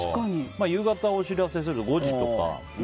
夕方をお知らせする５時とか。